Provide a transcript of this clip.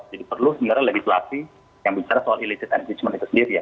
jadi perlu sebenarnya legislasi yang bicara soal illicit engagement itu sendiri ya